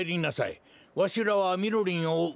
わしらはみろりんをおう。